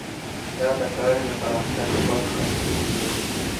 دا د کرنې د پراختیا په برخه کې وو.